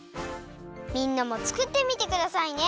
みんなもつくってみてくださいね。